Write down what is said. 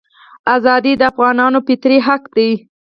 ازادي د افغانانو فطري حق دی.